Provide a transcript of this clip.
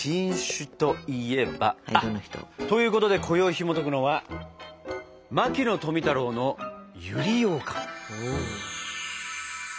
あっということでこよいひもとくのは「牧野富太郎の百合ようかん」。